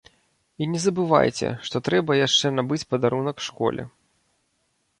І не забывайце, што трэба яшчэ набыць падарунак школе.